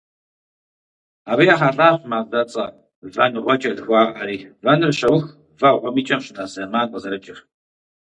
Абы ехьэлӀащ мазэцӀэ - ВэнгъуэкӀэ жыхуаӀэри: вэныр щаух, вэгъуэм и кӀэм щынэс зэман къызэрыкӀыр.